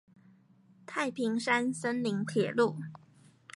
太平山森林鐵路